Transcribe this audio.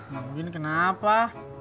bang udin kenapa